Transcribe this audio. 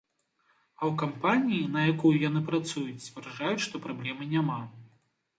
А ў кампаніі, на якую яны працуюць, сцвярджаюць, што праблемы няма.